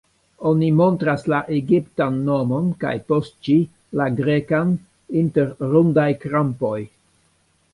Oni montras la egiptan nomon, kaj, post ĝi, la grekan inter rondaj-krampoj.